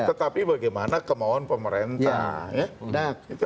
tetapi bagaimana kemauan pemerintah